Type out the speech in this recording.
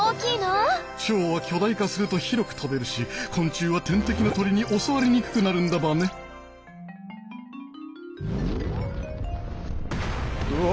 蝶は巨大化すると広く飛べるし昆虫は天敵の鳥に襲われにくくなるんだバネ。わ！